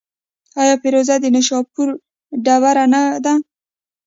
آیا فیروزه د نیشاپور ډبره نه ده؟